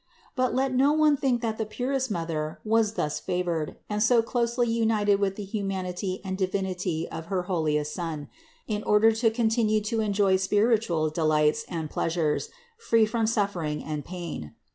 153. But let no one think that the purest Mother was thus favored and so closely united with the humanity and Divinity of her holiest Son, only in order to con tinue to enjoy spiritual delights and pleasures, free from suffering and pain.